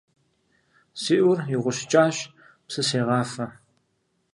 Си Ӏур игъущӀыкӀащ, псы сегъафэ.